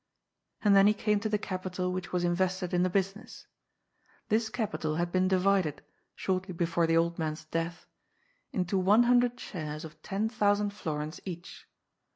And then he came to the capital which was invested in the business. This capital had been divided, shortly before the old man's death, into one hundred shares of ten thou sand florins each.